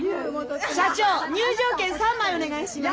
社長入場券３枚お願いします。